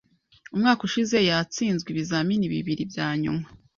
Umwaka ushize, yatsinzwe ibizamini bibiri bya nyuma.